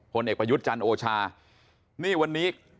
เอกประยุทธ์จันทร์โอชานี่วันนี้